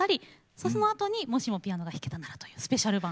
そのあとに「もしもピアノが弾けたなら」というスペシャル版。